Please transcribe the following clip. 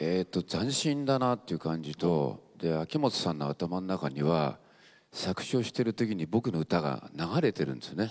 斬新だなという感じと秋元さんの頭の中には作詞をしてる時に僕の歌が流れてるんですよね。